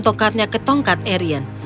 tongkatnya ke tongkat arion